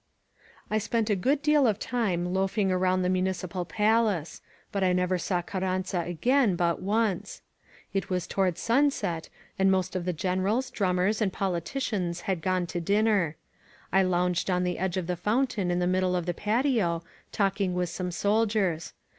I spent a good deal of time loafing around the Mu nicipal Palace; but I never saw Carranza again but 277 INSURGENT MEXICO once. It was toward sunset, and most of the Generals, drummers, and politicians had gone to dinner. I lounged on the edge of the fountain in the middle of the patio, talking with some soldiers.